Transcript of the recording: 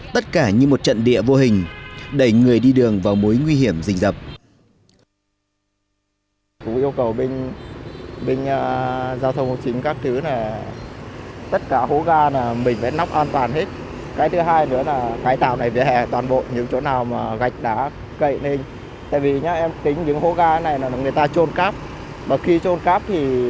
tất cả như một trận địa vô hình đẩy người đi đường vào mối nguy hiểm dình dập